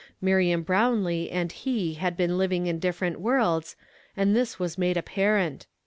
]\Iii'iam Brownlee and he had been living in different worlds, and this was made apparent.